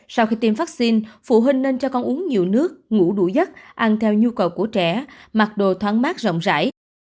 sau khi tiêm vaccine phụ huynh nên cho con uống nhiều nước ngủ đủ giấc ăn theo nhu cầu của trẻ mặc đồ thoáng mát rộng rãi